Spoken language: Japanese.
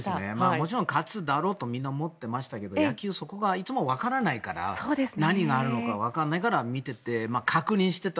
もちろん勝つだろうとみんな思ってましたけど野球そこがいつもわからないから何があるのかわからないから私の選択が私たちの選択がこの世界を美しく変えていく